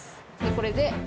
これで。